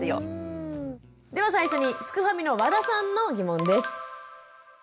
では最初にすくファミの和田さんの疑問です。